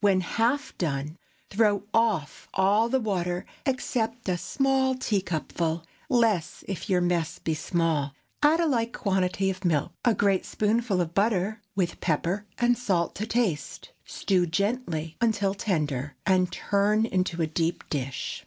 When half done, throw off all the water, except a small teacupful—less, if your mess be small; add a like quantity of milk, a great spoonful of butter, with pepper and salt to taste. Stew gently until tender, and turn into a deep dish.